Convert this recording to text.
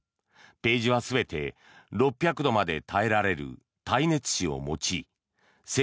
ページは全て６００度まで耐えられる耐熱紙を用い背